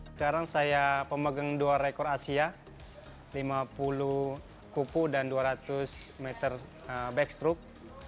sekarang saya pemegang dua rekor asia lima puluh kupu dan dua ratus meter backstroke